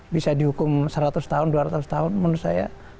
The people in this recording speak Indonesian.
bisa dihukum seratus tahun dua ratus tahun menurut saya